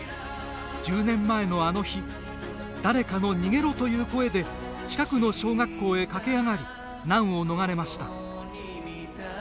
１０年前のあの日誰かの「逃げろ！」という声で近くの小学校へ駆け上がり難を逃れました。